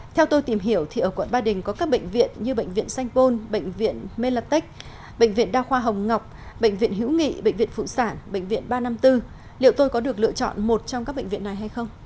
theo tôi tìm hiểu thì ở quận ba đình có các bệnh viện như bệnh viện sanh pôn bệnh viện melatech bệnh viện đa khoa hồng ngọc bệnh viện hữu nghị bệnh viện phụ sản bệnh viện ba trăm năm mươi bốn liệu tôi có được lựa chọn một trong các bệnh viện này hay không